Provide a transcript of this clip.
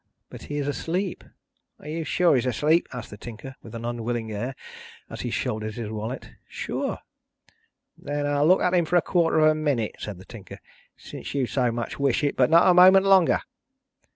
"But he is asleep." "Are you sure he is asleep?" asked the Tinker, with an unwilling air, as he shouldered his wallet. "Sure." "Then I'll look at him for a quarter of a minute," said the Tinker, "since you so much wish it; but not a moment longer."